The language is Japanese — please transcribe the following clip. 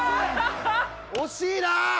惜しいな！